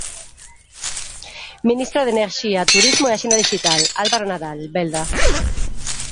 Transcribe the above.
Ministro de Enerxía, Turismo e Axenda Dixital: Álvaro Nadal Belda.